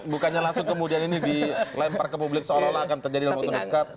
bukannya langsung kemudian ini dilempar ke publik seolah olah akan terjadi dalam waktu dekat